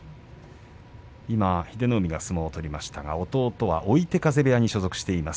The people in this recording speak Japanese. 今、英乃海が相撲を取りましたが弟は追手風部屋に所属しています